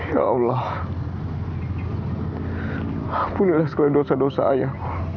ya allah bunyilah segala dosa dosa ayah